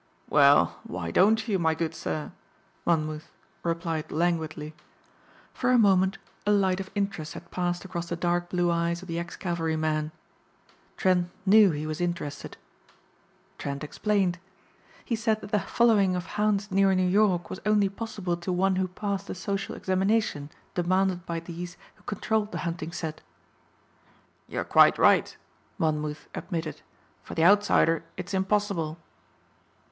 "Well, why don't you, my good sir?" Monmouth replied languidly. For a moment a light of interest had passed across the dark blue eyes of the ex cavalryman. Trent knew he was interested. Trent explained. He said that the following of hounds near New York was only possible to one who passed the social examination demanded by these who controlled the hunting set. "You're quite right," Monmouth admitted, "for the outsider it's impossible."